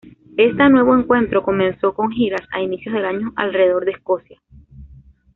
Esta nuevo encuentro comenzó con giras a inicios del año alrededor de Escocia.